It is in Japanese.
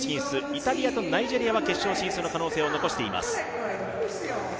イタリアとナイジェリアは決勝進出の可能性を残しています。